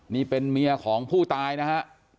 นี่เป็นเมียของผู้ตายนะฮะ